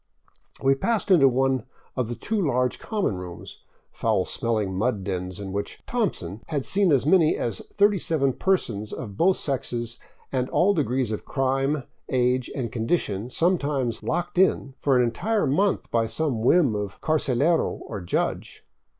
We passed into one of the two large common rooms, foul smelling mud dens in which " Thompson " had seen as many as 37 persons of both sexes and all degrees of crime, age, and condition sometimes locked in for an entire month by some whim of carcelero or judge.